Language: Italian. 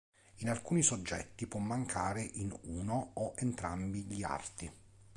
In alcuni soggetti può mancare in uno o entrambi gli arti.